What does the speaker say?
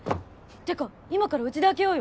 てか今からうちで開けようよ！